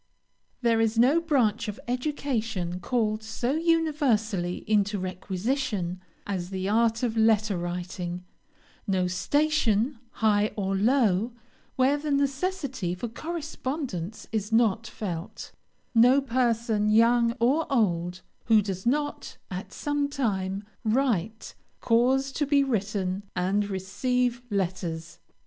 There is no branch of education called so universally into requisition as the art of letter writing; no station, high or low, where the necessity for correspondence is not felt; no person, young or old, who does not, at some time, write, cause to be written, and receive letters.